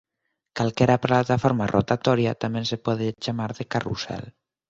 Calquera plataforma rotatoria tamén se pode chamar de carrusel.